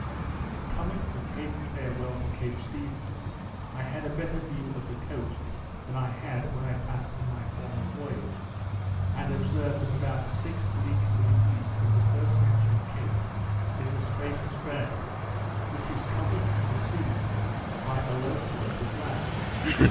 In coming from Cape Farewell to Cape Stephens, I had a better view of the coast than I had when I passed in my former voyage, and observed that about six leagues to the east of the first mentioned cape, is a spacious bay, which is covered from the sea by a low point of land.